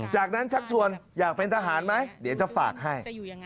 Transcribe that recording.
จากนั้นชักชวนอยากเป็นทหารไหมเดี๋ยวจะฝากให้